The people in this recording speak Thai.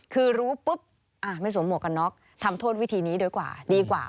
คือรู้ปุ๊บไม่สวมวกกันน๊อกทำโทษวิธีนี้ดีกว่า